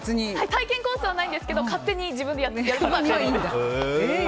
体験コースはないんですけど勝手に自分でやることは可能です。